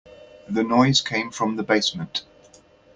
The noise came from the basement.